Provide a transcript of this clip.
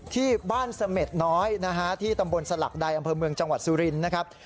ที่บ้านเสม็ดน้อยนะฮะที่ตำบลสลักใดอำเภอเมืองจังหวัดสุรินทร์นะครับ